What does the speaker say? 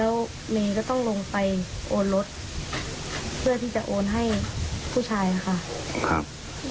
แล้วเมย์ก็ต้องลงไปโอนรถเพื่อที่จะโอนให้ผู้ชายค่ะครับ